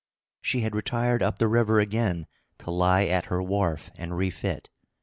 She had retired up the river again to lie at her wharf and refit.